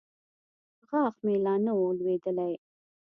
غاښ مې لا نه و لوېدلى.